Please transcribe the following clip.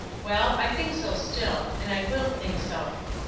Well, I think so still; and I will think so."